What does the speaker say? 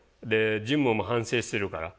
ジムも反省してるから。